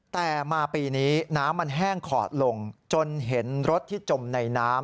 แต่มาปีนี้น้ำมันแห้งขอดลงจนเห็นรถที่จมในน้ำ